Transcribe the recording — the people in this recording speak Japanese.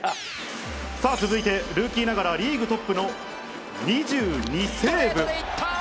さあ続いて、ルーキーながらリーグトップの２２セーブ。